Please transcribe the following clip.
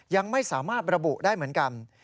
ยังไม่สามารถระบุได้เหมือนกัน